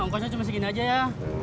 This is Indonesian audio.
ongkosnya cuma segini aja ya